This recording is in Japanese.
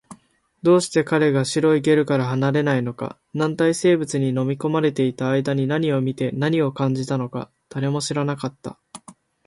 どうして彼が白いゲルから離れないのか、軟体生物に飲まれていた間に何を見て、何を感じたのか、誰も知らなかった